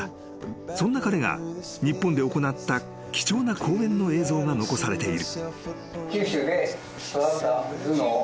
［そんな彼が日本で行った貴重な講演の映像が残されている］